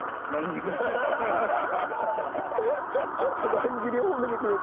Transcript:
乱切り褒めてくれた。